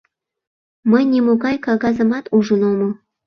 Мый нимогай кагазымат ужын омыл.